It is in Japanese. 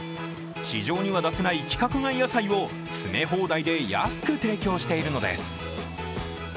市場には出せない規格外野菜を詰め放題で安く提供しているのです。